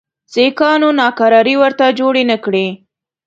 سیکهان ناکراري ورته جوړي نه کړي.